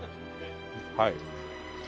はい。